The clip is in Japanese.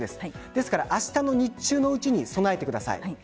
ですから、明日の日中のうちに備えてください。